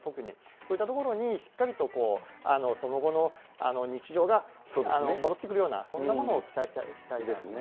そういったところにしっかりとその後の日常が戻ってくるような、そんなものを期待したいですね。